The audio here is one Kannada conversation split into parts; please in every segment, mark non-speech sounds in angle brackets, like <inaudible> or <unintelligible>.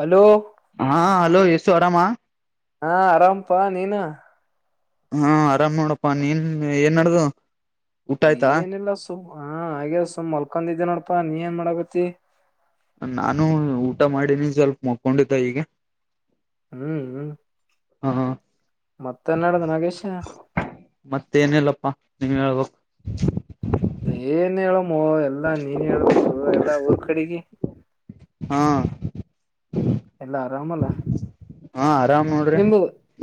ಹಲೋ ಹಾ ಹಲೋ ಯಸು ಆರಾಮ ಹಾ ಆರಾಮಪಾ ನೀನು ಹಾ ಆರಾಮ್ ನೋಡಪ್ಪಾ ನೀನ್ ಏನ್ಡ್ದ ಏನಿಲ್ಲ ಸುಮ್ಮ್ ಹ ಹಾಗೆ ಸುಮ್ ಮಲ್ಕೊಂಡಿದ್ದೇ ನೋಡಪಾ ನೀ ಏನ್ ಮಾಡಗತ್ತತಿ. ನಾನು ಊಟ ಮಾಡಿನಿನ್ ಸ್ವಲ್ಪ ಮಕೊಂಡಿತ ಈಗ ಹ್ಮ್ ಹ್ಮ್ ಹ್ಮ ಹಾ ಮತ್ತೆ ನಡ್ದ ನಾಗೇಶ ಮತ್ತೇಏನಿಲ್ಲಪ್ಪಾ ನೀವ್ ಹೇಳ್ಬೇಕು ಏನ್ ಹೇಳಮ್ಮ ಎಲ್ಲಾ ನೀನ್ ಹೇಳ್ಬೇಕು ಎಲ್ಲಾ ಊರ್ ಕಡೆಗೆ ಹಾ ಎಲ್ಲ ಆರಾಮಲ್ಲ ಹಾ ಆರಾಮ್ ನೋಡ್ರಿ ನಿಮ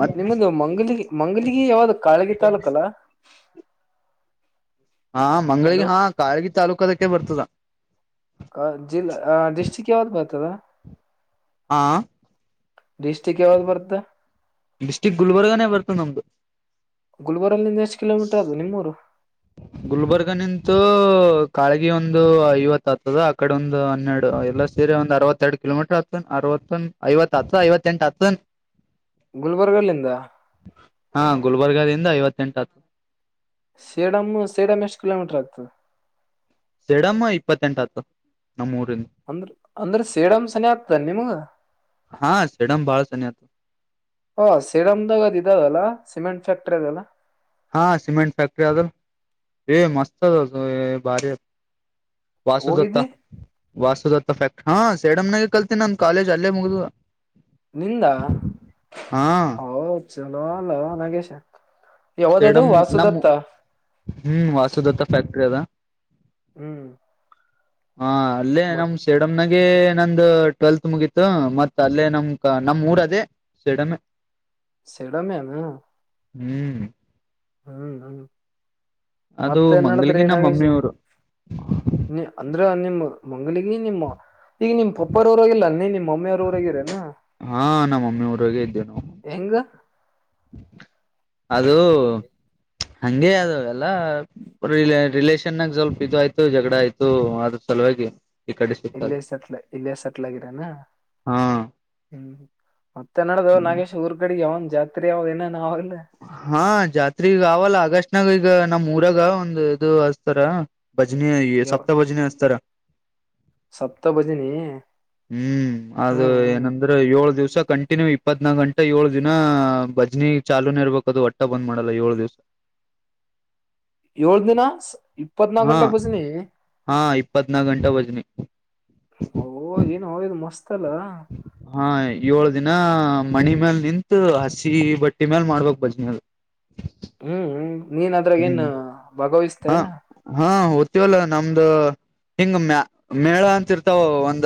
ಮತ್ ನಿಮ್ದ ಮಂಗಲಿಗಿ ಮಂಗಲಿಗಿ ಯಾವ್ದ ಕಾಳಗಿ ತಾಾಲೂಕ ಅಲ್ಲಾ. ಹಾ ಮಂಗಳಿಗೆ ಹಲೋ ಹಾ ಕಾಳಗಿ ತಾಾಲೂಕ ಅದಕ್ಕೆ ಬರ್ತದ. ಆ ಜಿಲ್ಲಾ ಡಿಸ್ಟ್ರಿಕ್ ಯಾವ್ದ್ ಬತದಾ ಆಂ ಡಿಸ್ಟಿಕ್ ಯಾವಾಗ ಬರುತ್ತಾ ಡಿಸ್ಟ್ರಕ್ ಗುಲ್ರ್ ಬರ್ತದೆಮ್ದ ಗುಲ್ಬರ್ ನಿಿಂದ ಎಷ್ಟ ಕಿೋ ಟರ್ ಅದು ನಿಮ್ಮೂರು ಗುಲ್ಬರ್ಗ ನಿಂತು ಕಾಳಗಿ ಒಂದು ಐವತ್ ಆತದ ಅಕಡೆ ಒಂದು ಹನ್ನೆರಡು ಎಲ್ಲ ಸೀರಿ ಒಂದ ಅವತ್ತ ಎರಡು ಕಿೋಮೀಟರ್ ಹತ್ನ್ ಅರವತ್ತ ಐವತ್ತ್ತತ್ ಐವತ್ತ ಎಂಟು ಹತ್ನ್ ಗುಲ್ಬರ್ಗಲ್ಲಿಂದ ಹಾ ಗುಲ್ಬರ್ಗದಿಂದ ಐವತ್ತೆಂಟು ಹತ್ತು ಸೇಡಮಮ್ಮ್ ಸೇಡಮ ಎಷ್ಟು ಕಿಲೋಮೀಟರ್ ಆಗ್ತದೆ ಸೆಡಮ್ಮ ಇಪ್ಪತ್ತೆಂಟು ಹತ್ತು ನಮ್ಮೂಊರಿಂದ ಅಂದ್ರ ಅಂದ್ರ ಸೇಡಮ್ಸನ ಆಗ್ತಾನ ನಿಮಗ ಹಾ ಸೆಡಮ್ ಬಾಳ ಸನಿ ಆತು ಹೊಓ ಸೀಡಮ್ದಾಗದ್ ಇದದಲ್ಲ ಸಿಮೆಂಟ್ ಫ್ಯಾಕ್ಟ್ರಿ ಅದಲ್ಲ ಹಾ ಸಿಮೆಂಟ್ ಫ್ಯಾಕ್ಟ್ರ ಅದ ಏ ಮಸ್ತ್ ಅದದು ಭಾರಿ ವಾಸುುದತ್ತ ಹೋಗಿದ್ದಿ ವಾಸುುದತ್ತ ಫ್ಯಾಕ್ಟ ಹಾ ಸೇಡಮ್ನಾಗ ಕಲ್ತೀನಿ ನಮ್ ಕಾಲೇಜ್ ಅಲ್ಲೇ ಮುಗ್ದು ನಿಂದಾ ಹಾ ಹೌ ಚಲೋ ಅಲ್ಲ ನಗೇಶ ಯಾವ್ದದುೂ ಸೇಡಮ್ ನಮ್ ವಾಸುದತ್ತ ಹ್ಮ್ ವಾಸುದತ್ತ ಫ್ಯಾಕ್ಟ್ರಿ ಅದ ಹ್ಮ್ ಹಾ ಅಲ್ಲೇ ನ...... ಮತ್ ಸೇಡಂ ನಗೆ ನಂದ್ ಟ್ವೆಲ್ತ್ ಮುಗೀತು ಮತ್ ಅಲ್ಲೇ ನಮ್ ನಮ್ ಊರ ಅದೇ.... ಸೇಡಂ.. ಸೇಡಂ ಎನ....... ಹ್ಮ್... ಹ್ಮ್ ಹ್ಮ ಅದು ಮಾತೇನ್ ನಡದದ ಮಂಗಲ್ಗಿ ರೀ ನಮ್ಮ ಮಮ್ಮಿ ನಾಗೇಶ್.... ಊರು ನೀ ಅಂದ್ರ ನಿಮ್ಮ ಮಂಗಗಳಿಗೆ ನಿಮ್ಮ ಈಗ ನಿಮ್ ಪಪೋರ್ ಊರಾಗ್ ಇಲ್ಲೇನ್ ನೀ ನಿಮ್ಮ್ ಮಮ್ಮಿವರ್ ಊರಾಗ್ ಇದಿ ಏನ್...... ಹಾ ನಮ್ಮ ಮಮ್ಮಿ ಊರಾಗೆ ಇದ್ದೇವಿ ನಾವು ಹೆಂಗ್.... ಅದು ಹಂಗೆ ಅದು ಎಲ್ಲ... ರಿ ರಿಲೇಷನಾಗ್ ಸ್ವಲ್ಪ ಇದು ಆಯ್ತು ಜಘದ ಆಯ್ತು ಅದ್ರ ಸಲುವಾಗಿ.... ಈ ಕಡೆ ಸುತ್ತ ಇಲ್ಲೇ ಸಟ್ಲ ಇಲ್ಲೇ ಸಟ್ಲ್ ಆಗಿರನಾ.... ಹಾ ಹ್ಮ್ ಮಾತೇನ್ ನದ್ದುಡ್ ನಾಗೇಶ್ ಊರ್ ಕಡೆಗೆ ಅವಾವನ್ ಜಾತ್ರೆ ಯಾವ ಏನ್ರ ಅವೇನು..... ಹಾ ಜಾತ್ರಿ ಇಗ್ ಅವಲ್ಲಾ ಆಗಸ್ಟ್ನಾಗ್ ಈಗ ನಮ್ ಊರಾಗ್ ಒಂದ್ ಇದು ಹಚ್ತಾರ...... ಭಜನೆ ಸಪ್ತ ಭಜನೆ <unintelligible> ಸಪ್ತಪದಿ..... ಹ್ಮ್ ಅದು ಏನ....... ಅದ್ರ ಏಳ ದಿವಸ ಕಂಟಿನ್ಯೂ ಇಪ್ಪತ್ನಾಕ ಗಂಟಾ ಏಳು ದಿನ ಭಜನಿ ಚಾಲೂನ ಇರ್ಬೇಕ ಅದು......... ಬಂದ್ ಮಾಡಲ್ಲ ಏಳ ದಿನ್.... ಏಳ ದಿನ....... ಇಪ್ಪತ್ನಾಕ್ ಹಾ ಗಂಟೆ ಬಸ್ನಿ ಹಾ ಇಪ್ಪತ್ನಾಕ ಗಂಟೆ ಭಜನೆಿ ಓ ಏನು ಅವಿದ ಮಸ್ತ್ ಅಲ್ಲ ಹಾ ಏಳ ದಿನ ಮಣಿ ಮ್ಯಲ್ ನಿಂತು ಹಸಿ ಬಟ್ಟಿ ಮ್ಯಲ್ ಮಾಡ್ಬೇಕಕ್ ಬಜ್ನೆಲ್ ಹ್ಮ್ ಹ್ಮ್ ನೀನ್ ಅದ್ರಾಗೇಏನ್ ಹ್ಮ್ ಹ ಭಾಗವಿಸ್ತೇನ ಹಾ ್ತವಲ್ಲ ನಮ್ದ ಹಿಂಗ ಮ ಮೇಳ ಅಂತಿರ್ತಾವ ಒಂದ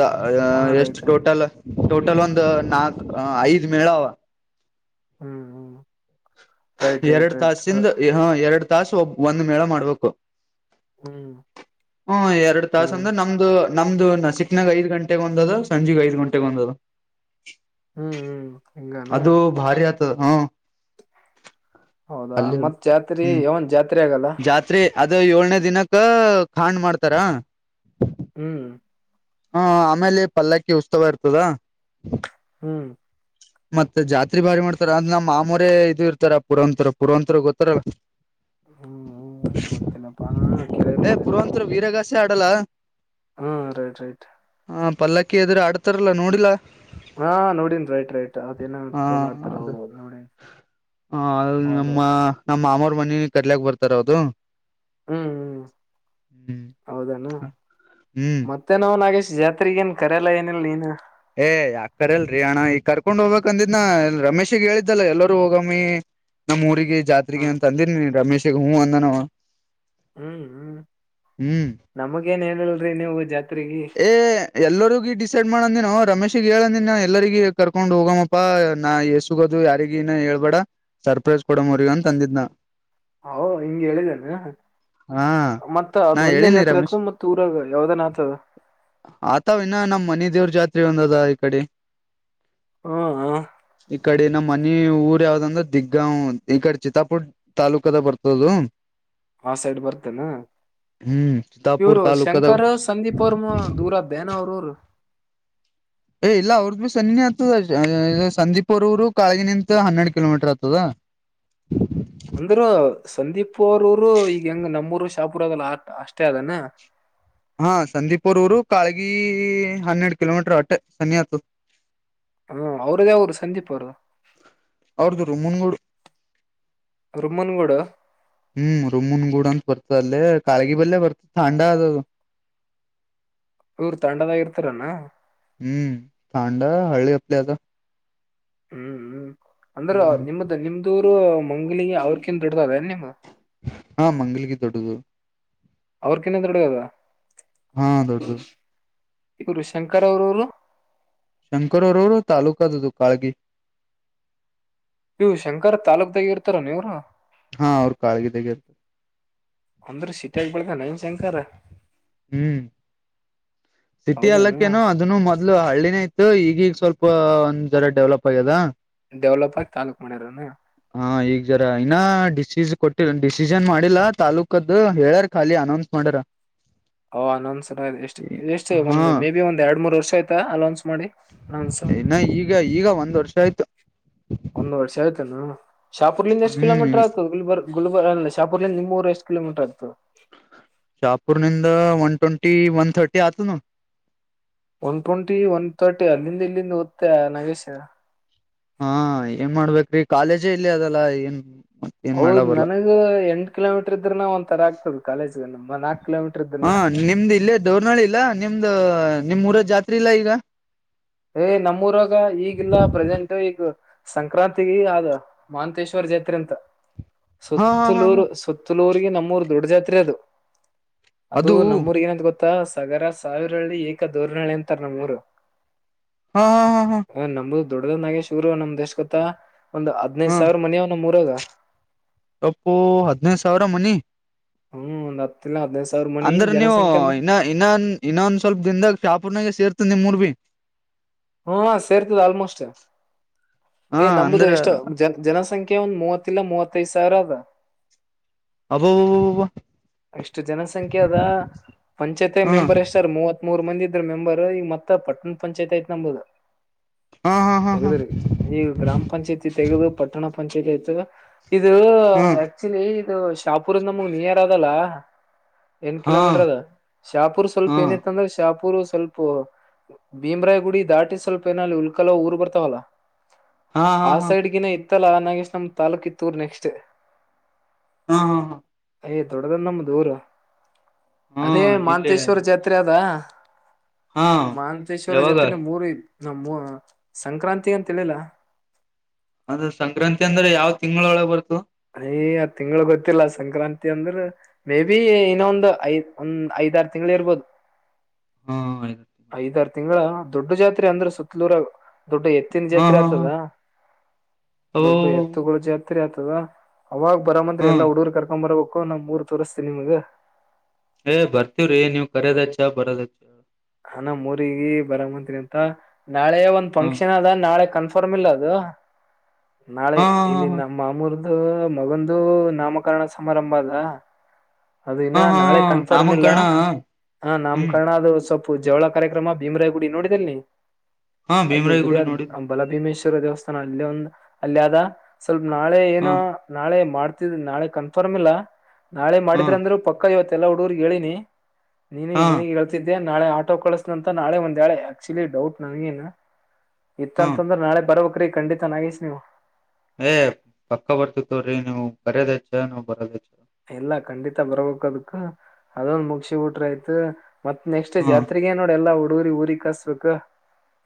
ಹಾ ಎಷ್ಟು ರೈಟ್ ರೈಟ್ ಟೋಟಲ್ ಟೋಟಲ್ ಒಂದು ನಾಕ್ ಐದ್ ಮೇಳ ಅವ ಹ್ಮ್ ಹ್ಮ್ ರೈಟ್ ರೈಟ್ ಎರಡ್ ರೈಟ್ ಅದ ತಾಸಿಂದ ಹ ಎರಡ್ ತಾಸ ಒಬ್ಬ ಒಂದ್ ಮೇಳ ಮಾಡ್ಬೇಕು ಹ್ಮ್ ಹ್ಮ ಎರಡು ತಾಸ ಹಿಂಗನ್ ಅಂದನ್... ಅ ನಮ್ದು ನಾಸಿಕ್ ನಾಗ್ ಐದ ಗಂಟೆಗೆ ಒಂದ ಅದಾ ಸಂಜಿಗೆ ಐದ ಗಂಟೆಗೆ ಒಂದ ಅದ್.... ಹ್ಮ್ ಹ್ಮ್..... ಹಿಂಗಾನ ಅದು ಭಾರಿ ಆತದ್...... ಹೌದಾ ಮತ್ತ್ ಜಾತ್ರೆ ನ್ ಜಾತ್ರೆ ಆಗಲ್ಲ ಜಾತ್ರಿ ಅದು ಏಳ್ನೇ ದಿನಕ್ಕ ಖಾಂಡ್ ಮಾಡ್ತಾರ ಹ್ಮಞ ಹಾ ಆಮೇಲೆ ಪಲ್ಲಕ್ಕಿ ಉತ್ಸವ ಇರ್ತದಾ ಹ್ಮ್ ಮತ್ತೆ ಜಾತ್ರಿ ಭಾರಿ ಮಾಡ್ತಾರ ಅಂದ್ ನಮ್ ಆಮರ ಇದು ಇರ್ತಾರ ಪುರಾಂತರ ಪುರಾಂಂತರ ಗೊತ್ತಾರಲ್ಲ ಹ್ಮ್ ಗೊತ್ತಿಲ್ಲಪ್ಪಾ ಕೇಳಿರ್ಬೋದೇನ್ ಪೂರ್ವಂತರ ವೀರಗಾಸೆ ಆಡಲ್ಲ <unintelligible> ಹ್ಮ್ ರೈಟ್ ರೈಟ್ ಹ ಪಲ್ಲಕ್ಕಿ ಎದ್ರ ಆಡ್ತಾರಲ್ಲಾ ನೋಡಿಲ್ಲಾ ಹಾ ನೋಡನ್ಿ ರೈಟ್ ರೈಟ್ ಅದೇಏನ ಹ ತೋೊಂಡಾಡ್ತಾರ ಹೌದು ನೋಡನ್ ಹಾ ನಮ್ಮ ನಮ್ಮ ಮಾಮವ್ರ ಮ ಕಟ್ಲೆಯಕ್ ಬರ್ತಾರ ಅದು ಹ್ಮ್ ಹ್ಮ್ ಹ್ಮ್ ಹೌದಣ ಮತ್ತ ಹ್ಮ್ ಮತ್ತೆ ನಾ್ ನಾಗೇಶ್ ಜಾತ್ರೆಗ ಏನ್ ಕರಲ್ಲ ಏನಿಲ್ಲ ನೀನು ಏ ಯಾಕರಲ್ರಿ ಅಣ್ಣ ಈಗ್ ಕರ್ಕೊಂಡ್ ಹೋಗ್ಬೇಕಕ್ ಅಂದಿದ್ನ ರಮೇಶಿಗೆ ಹೇಳಿದ್ದಲ್ಲ ಎಲ್ಲರೂ ಹೋಗಮ್ಮಿ ನಮ್ಮ್ ಊರಿಗೆ ಹಾ ಜಾತ್ರೆಗೆ ಅಂತ ಅಂದಿರಿ ನೀ ರಮೇಶ್ಗ ಹೂ ಅಂದಾನ ಹ್ಮ್ ಹ್ಮ್ ನಮಗೇನ್ ಹೇಳಲ್ರಿ ನೀವು ಜಾತ್ರೆಗೆ ಏ ಎಲ್ಲರಿಗ ಡಿಸೈಡ್ ಮಾಡಂದ ನ ಅವ್ರು ರಮೇಶಿಗೆ ಹೇಳಂದನ್ ಎಲ್ಲರಿಗ ಕರ್ಕೊಂಡ್ ಹೋಗಮ್ಮಪ್ಪಾ ನಾ ಎ ಸುಗದು ಯಾರಿಗನ ಹೇಳ್ಬೇಡ ಸರ್ಪ್ರೈಜ ಕೊಡಮವ್ರಗ ಅಂತ ತಂದಿದ್ನ ಹ ಹಿಂಗಗೆ ಹೇಳಿದನು ಹಾ ಮತ್ತತ್ ನಾ ಅದ್ ಒಂದೇ ಹೇಳಿನಿ ಜಾತ್ರೆ ಆತ್ ಮತ್ತತ್ ಊರಾಗ ಯಾವ್ದಾನ ಆತದ ಆತಾವ ಇನ್ನ ನಮ್ಮ್ ಮನೆ ದೇವ್ರ ಜಾತ್ರೆ ಒಂದದ ಈ ಕಡೆ ಹ್ಮ ಹಾ ಈ ಕಡೆ ನಮ್ಮ್ ಮನ ಊರ್ ಯಾವ್ದಂದ್ರೆ ದಿಗ್ಗಾಂ ಈ ಕಡೆ ಚಿತ್ತಾಪೂರ್ ತಾಾಲೂಕದ ಬರ್ತದು ಆ ಸೈಡ್ ಬರ್ತೇನಾ ಹ್ಮ್ ಚಿತ್ತಾಪುರ್ ಇವರು ತಾಲೂಕದಾಗ ಶಂಕರ ಸಂದೀಪ್ ಅವರ್ಮ ದೂರದ್ದೇನ ಅವ್ರರು ಏ್ ಇಲ್ಲ ಅವ್ರದ್ದ ಭೀ ಸನ್ನಿನೇ ಆತದ ಸಂದೀಪರ್ವರು ಕಾಳಗಿನಂತ ಹನ್ನೆರಡು ಕಿಲೋಮೀಟರ್ ಆತದ <inaudible> ಅಂದ್ರ ಸಂದೀಪ್ ಅವರರು ಈಗ ಹೆಂಗ್ ನಮ್ಮೂರು ಶಾಪುರ ಅದಲ್ಲ ಆ ಅಷ್ಟೇ ಅದಾನ ಹಾ ಸಂದೀಪರ್ ಊರು ಕಾಳಗಿ ಹನ್ನೆರಡು ಕಿಲೋಮೀಟರ್ ಹೊಟ್ಟೆ ಸನಿಹತ ಹ್ಮ್ ಅವ್ರದ ಅವ್ರು ಸಂದೀಪ ಅವರು ಅವ್ರದ್ದರು ಮುನ್ಗೂಡು ರರುಮನ್ಗೂಡ ಹ್ಮ್ ರುಮನ್ ಗೂಡ ಅಂತ ಬರ್ತದ ಅಲ್ಲೇ ಕಾಗಿ ಬಲ್ಲೆ ಬರ್ತ ಚಂಡ ಅದದು ಇವ್ರ್ ತಂಡದಾಗಿ ಇರ್ತಾರಣ್ಣ ಹ್ಮ್ ತಾಂಡ ಹಳ್ಳಿ ಅಪ್ಲೇ ಅದ ಹ್ಮ್ ಹ್ಮ್ ಅಂದ್ರ ಹ್ಮ್ ನಿಮ್ದ ನಿಮ್ದೂರು ಮಂಗಲಿಗೆ ಅವ್ರಕಿನ್ ದುಡ್ದದೇ ನಿಮ್ ಹಾ ಮಂಗಲಿಗೆ ದೊಡ್ಡದು ಅವ್ರ ಏೇ್ೊಡಡು್ಯದ ಹಾ ದೌಡದುೌ ಇವರು ಶಂಕರ್ ಅವ್ರವರು ಶಂಕರ ರೋಡ್ ತಾಲೂಕದುು ಕಾಳಗಿ ಇವು ಶಂಕರ ತಾಲೂಕ್ದಾಗ ಇರ್ತಾರ ನೀವರು ಹಾ ಅವ್ರರು ಕಾಳಿಗೆದೆಗೆ ಇರ್ತ ಅಂದ್ರ ಸಿಟಿ ಆಗ್ಬಳ್ದ ನೈನ್ ಶಂಕರ ಹ್ಮ್ ಸಿಟಿ ಅಲ್ಲಕ್ಕೇನು ಅದನ್ನು ಮೊದ್ಲು ಹಳ್ಳಿನೇ ಇತ್ತು ಈಗೀಗ ಸ್ವಲ್ಪ ಒಂದ್ ಜ್ರ ಡೆವಲಪ್ ಆಗ್ಯದ ಡೆವಲಪ ಆಗಿ ತಾಲೂಕ್ ಮಾಡಿರನ ಹಾ ಈಗ ಜರ ಇನ್ನ ಡಿಸಿಜ್ ಕೊಟ್ಟಿಲ್ಲ ಡಿಸಿಜನ್ ಮಾಡಿಲ್ಲಾ ತಾಾಲೂಕದ ಹೇಳಾರ ಖಾಲಿ ಅನೌನ್ಸ್ ಮಾಡ್ಯಾರ ಓ ಅನೌನ್ಸ್ ಎಷ್ಟಷ್ಟೇ ಒ್ ಹಾ ಮೇ ಬಿ ಒಂದ್ ಎರಡ್ ಮೂರ್ ವರ್ಷ ಆಯ್ತಾ ಅನೌನ್ಸ್ ಮಾಡ ಇನ್ನ ಈಗ ಈಗ ಒಂದ್ ವರ್ಷ ಆಯ್ತು ಒಂದು್ ವರ್ಷ ಆಯ್ತೇನಾಾ ಶಾಪೂರ್ಿಂದ ಎಷ್ಟು ಹ್ಮ್ ಕಿಲೋಮೀಟರ್ ಆಗ್ತದ ಬ ಗುಲ್ಬರ್ ಅಲ್ಲ ಶಾಪುರ್ಲ್ಲಿ ನಿ್ೂ ಎಷ್ಟು ಕಿಲೋಮೀಟರ್ ಆತು ಶಾಪುರ್ ನಿಿಂದ ಒನ್ ಟ್ವೆಂಟಿ ಒನ್ ಥರ್ಟಿ ಆತನು ಒನ್ ಟ್ವೆಂಟಿ ಒನ್ ತರ್ಟಿ ಅಲ್ಲಿಂದ ಇಲ್ಲಿಂದ ಓದ್ ನಗೇಶ ಹಾ ಏನ್ ಮಾಡ್ಬೇಕ್ರಿ ಕಾಲೇಜೇ ಇಲ್ಲಿ ಅದಲ್ಲಾ ಏನ್ ಏನ್ ಮಾಡ್ಲ ಹೌದ ಬರ್ಲ್ಲ ನನಗ ಎಂ ಕಿಲೋಮೀಟರ್ ಇದ್ರನ ಒಂ ತರ ಆಗ್ತದ ಕಾಲೇಜ್ಗ ನಮ್ಮ ನಾಕಕ್ ಕಿಲೋಮೀಟರ್ ಹಾ ಇದ್ರನ ನಿಮ್ದ್ ಇಲ್ಲೇ ದೋರ್ನಾಳಿ ಇಲ್ಲ ನಿಮ್ದ ನಿಮ್ ಊರದ್ ಜಾತ್ ಇಲ್ಲ ಈಗ ಏ್ ನಮ್ಮೂರಾಗ ಈಗಲ್ಲ ಪ್ರೆಸೆಂಟ್ ಈಗ ಸಂಕ್ರಾಂತಿ ಆದ ಮಹಂತೇಶ್ವರ ಜಾತ್ರೆ ಅಂತ ಹಾ ಹಾ ಹಾ ಹಾ ಸುತ್ತಲೂರು ಸುತ್ತಲೂರ್ರಿಗೆ ನಮ್ಮೂರು ದೊಡ್ಡ ಜಾತ್ರೆ ಅದು ಅದು ನಮ್ಮೂರ್ ಏನಂತ ಗೊತ್ತಾ ಸಗರ ಸಾವಿರಳ್ಳಿ ಏಕ ಧೋರ್ನಹಳ್ಳಿ ಅಂತಾರ ನಮ್ಮೂರು ಹಾ ಹಾ ಹಾ ಹಾ ್ ನಮ್ದು ದೊಡ್ಡದ್ನಾಗೆ ಶೂರು ನಮ್ ದೇಶ್ ಗೊತ್ತ ಒಂದು ಹದ್ನೈದು ಹಾ ಸಾವಿರ ಮನವ್ ನಮ್ಮ್ರಾಗ ತಪ್ಪು ಹದ್ನೈದು ಸಾವಿರ ಮನಿ ಹ್ಮ್ ನತ್ತಲ್ಲ ಅದ ಅಂದ್ರ ನೀವು ಇನ್ನ ಇನ್ನೊ ಇನ್ನೊಂದ ಸ್ವಲ್ಪ ದಿನದಾಗ ಚಾಪೂರ್ನಾಗ ಸೇರ್ತ ನಿಮ್ ಮೂಊರ್ ಭಿ ಹ್ಮ ಸೇರ್ತದ ಆಲ್ಮೋಸ್ಟ್ ಹಾ ಏ ನಂಬುದು ಅಂದ್ರ ಎಷ್ಟ ಜನ ಜನಸಂಖ್ಯ ಒಂದ್ ಮೂವತ್ತಲ್ಲ ಮೂವತ್ತೈದ್ ಸಾವಿರ ಅದಾ ಅಬೋ ಎಷ್ಟು ಜನಸಂಖ್ಯೆ ಅದ ಪಂಚಾಯತಿ ಹಾ ಮೆಂಬರ್ ಎಷ್ಟು ಸರ್ ಮೂವತ್ ಮೂರ್ ಮಂದ ಇದ್ರ ಮೆಂಬರ್ ಈ ಮತ್ತ ಪಟ್ಟಣ ಪಂಚಾಯತ್ ಆಯ್ತ್ ನಂಬೋದು ಹಾ ಹಾ ಹಾ ತಗದ್ರಿ ಈಗ ಗ್ರಾಮ ಪಂಚಾಯತಿ ತೆಗೆದು ಪಟ್ಟಣ ಪಂಚಾಯತಿ ಆಯ್ತದ ಇದು ಹಾ ಆಕ್ಚುಲಿ ಇದು ಶಾಪುರ್ಂದ ನಮಗ್ ನಿಯರ್ ಅಲ್ಲ ಎಂ್ ಹಾ ಹಾ ಕಿಲೋಮೀಟರ್ ಅದ ಶಾಪೂರ್ ಸ್ವಲ್ಪ ಹಾ ಏನಿತ್ತ ಅಂದ್ರೆ ಶಾಪೂರ್ ಸ್ವಲ್ಪ ಭೀಮ್ರಾಯ್ ಗುಡಿ ದಾಟಿ ಸ್ವಲ್ಪ ಏನ ಉಲ್ಕಲ ಊರ್ ಬರ್ತಾವಲ್ಲ ಹಾ ಆ ಹಾ ಹಾ ಸೈಡ್ಗಿನ ಇತ್ತಲ ನಾಗೇಶ್ ನಮ ತಾಲೂಕಿತ್ತೂರು ನೆಕ್ಸ್ಟ್ ಹಾ ಹಾ ಹಾ ಅಯ ದೊಡ್ಡದ ನಮ್ಮ ದ ಊರು ಹಾ ಅದೇ ಇಲ್ಲೇ ಮಾಹಂತೇಶ್ವರ ಜಾತ್ರೆ ಅದ ಹಾ ಮಹಂತೇಶ್ವರ ಯಾವಾಗ ಜೊತೆನೆ ಮೂರು ನಮ್ ಸಂಕ್ರಾಂತಿ ಅಂತಳಿಲ್ಲ ಅಂದ್ರೆ ಸಂಕ್ರಾಂತಿ ಅಂದ್ರೆ ಯಾವ್ ತಿಂಗಳೊಳಗೆ ಬರ್ತು ಯ ಆ್ ತಿಂಳ ಗೊತ್ತಿಲ್ಲ ಸಂಕ್ರಾಂತಿ ಅಂದ್ರ ಮೇ ಬಿಿ ಇನ್ನೊ ಒಂದು ಐದ್ ಒಂದ್ ಐದಾರು ತಿಂಗಳು ಇರ್ಬೋದು ಹ್ಮ ಐದಾರ ತಿಂಗಳ ದೊಡ್ಡ ಜಾತ್ರೆ ಅಂದ್ರ ಸುತ್ತಲೂರ ದೊಡ್ಡು ಎತ್ತಿನ ಹಾ ಜಾತ್ರೆ ಹಾ ಹಾ ಆಗ್ತದ ಓ ದೊಡ್ಡು ಎತ್ತುಗಳ ಜಾತ್ರೆ ಆಗ್ತದ ಅವಾಗ ಬರ ಮಂದತ್ರಿ ಹಾ ಎಲ್ಲ ಹುಡುಗರು ಕರ್ಕೊ್ ಬರಬೇಕು ನಾ್ ಮೂರ್ ತೋರಿಸ್ತೀನ ನಿಮ್ಗ ಏ ಬರ್ತೀವ್ರೀ ನೀವ್ ಕರೋದಚ್ಚ ಬರೋದಚ್ಚ ಹಣ ಮೂರಿಗ ಬರ ಮಂತ್ರಿ ಅಂತ ನಾಳೆ ಒಂದ್ ಹ ಫಂಕ್ಷನ್ ಅದ ನಾಳೆ ಕನ್ ಫಾರ ಇ ಅದು ನಾಳೆ ಹ ಇಲ್ಲಿ ನ ಮಾಮೂರದು ಮಗಂದು ನಾಮಕರಣ ಸಮಾರಂಭ ಅದ ಹ ಅದನ್ನ ಹ ನಾಳೆ ಹ ಕನ್ಫರ್ಮ್ ಇಲ್ಲ ನಾಮಕರಣ ಹ ನಮ್ ಹ್ಮ್ ಕಣದು ಸ್ವಲ್ಪ ಜವಳ ಕಾರ್ಯಕ್ರಮ ಭೀಮರಾಯ ಗುಡಿ ನೋಡಿದಲ್ ನೀ ಹಾ ಅಲ್ಲಿ ಭೀಮರಾಯ ಗುರಿ ಗುಡಿ ಆದ ನೋಡಿದ್ ಬಲಭೀಮೇಶ್ವರ ದೇವಸ್ಥಾನ ಅಲ್ಲ ಒಂದು್ ಅಲ್ಲಿ ಆದ ಸ್ವಲ್ಪ ನಾಳೆ ಹ ಏನೋ ನಾಳೆ ಮಾಡ್ತಿದ್ ನಾಳೆ ಕನ್ಫರ್ಮ್ ಇಲ್ಲ ನಾಳೆ ಹ ಮಾಡಿದ್ರ ಅಂದ್ರರು ಪಕ್ಕ ಅಕ್ಕ ಇವತ್ತೆಲ್ಲಾ ಹುಡುಗರ್ಗ್ ಹೇಳಿನಿ ನೀ ಹಾ ನಿನಗೆ ಹೇತಿದ್ದೆ ನಾಳೆ ಆಟೋ ಕಳಸ್ಂತ ನಾಳೆ ಒಂದ್ೇಳೆ ಆಕ್ಚುಲಿ ಡೌಟ್ ನನ್ ಏನ್ ಹ್ಮ ಇತ್ತಂತಂದ್ರೆ ನಾಳೆ ಬರ್ಬ್ರೀ ಖಂಡಿತ ನಾಗಿಸ್ ನೀವು ಏ್ ಪಕ್ಕ ಬರ್ತಿತ್ತವ್ರೀ ನೀವು ಬರೋದಚ್ಚ ನಾವ್ ಬರೋದ ಹೆಚ್ಚ ಎಲ್ಲ ಖಂಡಿತ ಬರ್ಬೇಕ ಅದಕ್ ಅದೊಂದ ಮುಗಸಿ ಟ್ರ ಆಯ್ತು ಮತ್ ನೆಕ್ಸ್ಟ್ ಹ್ಮ ಜಾತ್ರೆಗೆ ನೋಡಿಲ್ಲ ಹುಡುಗರಿ ಊರಿಗೆ ಕಸ್ಬೇಕ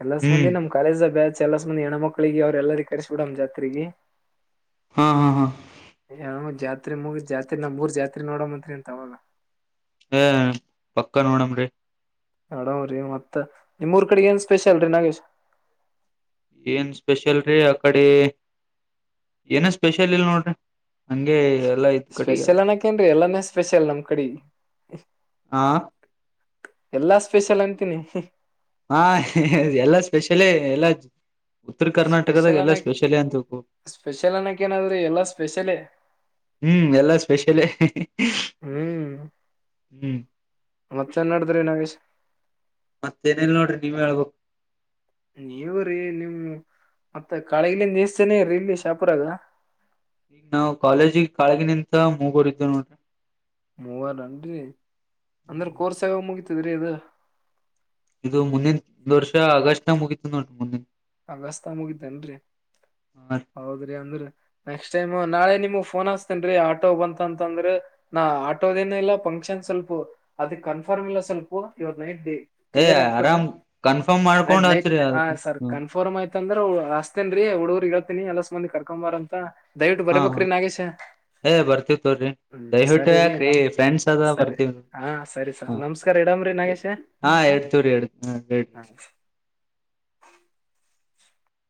ಎಲ್ಲ ಬಂದಿ ಹ್ಮ್ ನಮ ಕಾಲೇಜ್ ಬ್ಯಾಚ್ ಎಲ್ಲಾಂದಿ ಹೆಣ್ಣ ಮಕ್ಳಿಗೆ ಅವ್ರ ಎಲ್ಲರಿ ಕರಿಸಸಬಿಡ ನಮ್ಮ ಜಾತ್ರಿಗೆ ಹಾ ಹಾ ಹಾ ಯ ಜಾತ್ರೆ ಮುಗ ಜಾತ್ರೆ ನಾವ್ ಮೂರ್ ಜಾತ್ರೆ ನೋಡೋ ಮಂತ್ರಿ ಅಂತವಾಗ ಏ ಪಕ್ಕ ನೋಡಮ್ರರಿ ನಡವ್ರೀ ಮತ್ತತ್ ನಿಮ್ಮ ಊರ್ ಕಡೆ ಏನ್ ಸ್ಪೆಷಲ್ ರೀ ನಾಗೇಶ್ ಏನ್ ಸ್ಪೆಷಲ್ ರೀ ಅ ಕಡೆ ಏನ ಸ್ಪೆಷಲ್ ಇಲ್ ನೋಡ್ರಿ ನಂಗೆ ಸ್ಪೆಷಲ್ ಅನಕೇನ್ ಎಲ್ಲಾನೇ ಸ್ಪೆಷಲ್ ನಮ್ ಕಡೆ ಹ ಎಲ್ಲಾ ಸ್ಪೆಷಲ್ ಅಂತೀನಿ ಹಾ ಎಲ್ಲಾ ಸ್ಪೆಷಲೇ ಎಲ್ಲ ಸ್ಪೆಷಲ್ ಅನ್ನಕ್ ಅಂತಕು ಸ್ಪೆಷಲ್ ಅನ್ನಕ್ ಏನಾದ್ರರು ಎಲ್ಲಾ ಸ್ಪೆಷಲೇ ಹ್ಮ್ ಎಲ್ಲಾ ಸ್ಪೆಷಲ ಹ್ಮ್ ಮತ್ತತ್ ಚೆನ್ನ ನಡಿದ್ರಿ ನಾಗೇಶ್ ಮತ್ತೇನೇಲ್ ನೋಡ್ರ ನೀವಳ್ಬೇಕು ನೀವು ರೀ ನಿಮ್ ಮತ್ತ ಕಾಳೆಗಲ ನೀತನೆೇ ಇರರಿ ಇಲ್ಲಿ ಶಾಪುರಾಗ ಈಗ ನಾವವು ಕಾಲೇಜಿಗ್ ಕಾಳಗಿನಂತ ಮೂಗೋರದ್ದ್ ನೋಡ್ರಿ ಮೂವಾರ ಅಂರಿ ಅಂದ್ರ ಕೋರ್ಸ್ ಆಗ ಮುಗತದ್ರೀ ಇದು ಇದು ಮುಂದಿನ ಒ ವರ್ಷ ಆಗಸ್ಟ್ ನ ಮುಗಿತ ನೋಡಿ ಮುಂದಿನ ಅಂಗಸ್ತಾ ಮುಗಿದ್ದೇನ್ರರಿ ಹೌದ್ರಿ ಅಂದ್ರ ನೆಕ್ಸ್ಟ್ ಟೈಮ್ ನಾಳೆ ನಿಮಗ್ ಫೋನ್ ಹಾಸ್ತೇನ್ ಆಟೋ ಬಂತಂತಂದ್ರ ನಾ ಆಟೋದೇನ ಇಲ್ಲ ಫಂಕ್ಷನ್ ಸ್ವಲ್ಪ ಅದ ಕನ್ಫರ್ಮ್ ಇಲ್ಲ ಸ್ವಲ್ಪ ಇವತ್ತು ನೈಟ್ ಡೇ ಏ ಕ್ಲಿಯರ್ ಆಗ್ತದ ಆರಾಮ್ ಕನ್ಫರ್ಮ್ ನ ಮಾಡ್ಕೊಂಡ್ ನೈಟ್ ಹಚ್ರಿ ಹ ಅದಕ್ ಸರ್ ಹ್ಮ ಫಾರರ್ ಆಯ್ತ ಅಂದ್ರ ಹ ಅತೇನ್ರಿ ಹುಡುಗ್ರರು ಹೇಳ್ತಿನನ ಎಲ್ಲ ಸುಂದಿ ಕರ್ಕೊಂಬಾರ ಅಂತ ದಯವಿಟ್ಟು ಬರೇ ಹಾ ಹಾ ಬಕ್ರ ನಾಗೆಸ ಏ ಬರ್ತೀವ್ ತೋರಿ ದಯವಿಟ್ಟು ಯಾಕ್ರೀ ನಮ್ ಫ್ಯಾನ್ಸ್ ಅದ ಸರಿ ಬರ್ತವೀ ಹಾ ಸರಿ ಸರಿ ನಮಸ್ಕಾರ ಇಡಮ್ರೀ ನಾಗೇಶ ಹಾ <unintelligible> ತವ್ರರಿಹೇಳ್ರಿ ಹಾ